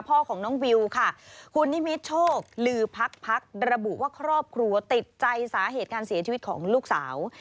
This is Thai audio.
พ่อของน้องวิวค่ะคุณนิมิตโชคลือพักพักระบุว่าครอบครัวติดใจสาเหตุการเสียชีวิตของลูกสาว